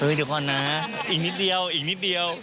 เดี๋ยวก่อนนะอีกนิดเดียวอีกนิดเดียว